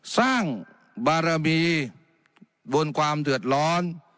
สร้างบารมีบนความเดือดร้อน